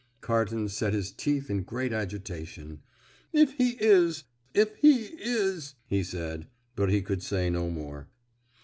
Carton set his teeth in great agitation. "If he is! if he is!" he said; but he could say no more.